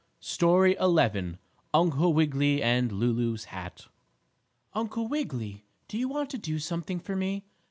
STORY XI UNCLE WIGGILY AND LULU'S HAT "Uncle Wiggily, do you want to do something for me?"